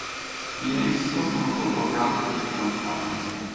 In esso sono collocate tre campane.